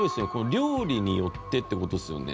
料理によってって事ですよね？